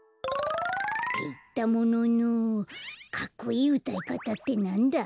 っていったもののかっこいいうたいかたってなんだ？